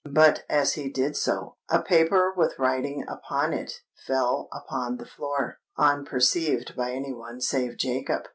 But, as he did so, a paper with writing upon it fell upon the floor, unperceived by any one save Jacob.